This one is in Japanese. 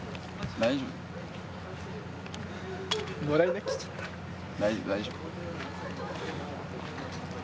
大丈夫、大丈夫。